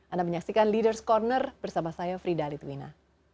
anda menyaksikan leaders' corner bersama saya frida litwina